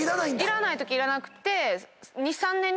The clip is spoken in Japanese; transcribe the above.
いらないときいらなくて。